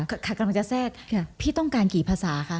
กำลังจะแทรกพี่ต้องการกี่ภาษาคะ